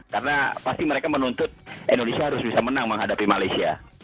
karena pasti mereka menuntut indonesia harus bisa menang menghadapi malaysia